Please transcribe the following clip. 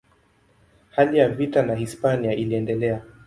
Hali ya vita na Hispania iliendelea.